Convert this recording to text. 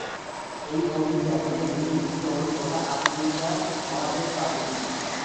এই অভিযানে লিভিংস্টোন গোটা আফ্রিকা মহাদেশ পাড়ি দেন।